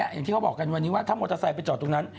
อย่างที่เขาบอกกันวันนี้ว่าถ้ามอเตอร์ไซค์ไปจอดตรงนั้น